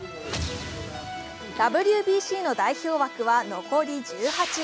ＷＢＣの代表枠は残り１８。